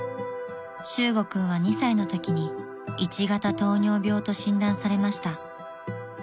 ［修悟君は２歳のときに１型糖尿病と診断されました］